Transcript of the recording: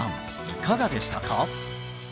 いかがでしたか？